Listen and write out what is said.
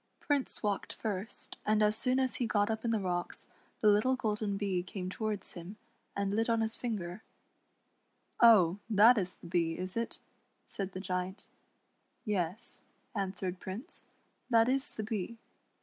Prince 84 SUNBEAM AND HER WHITE RABBIT. walked first, and as soon as he got up in the rocks, the little golden bee came towards him, and lit on his finger. " Oh ! that is the Bee, is it ?" said the Giant. " Yes," answered Prince, "that is the Bee."